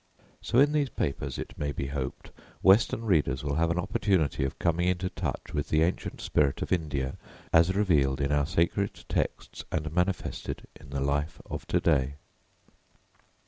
So in these papers, it may be hoped, western readers will have an opportunity of coming into touch with the ancient spirit of India as revealed in our sacred texts and manifested in the life of to day.